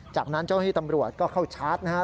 จากนั้นเจ้าที่ตำรวจก็เข้าชาร์จนะครับ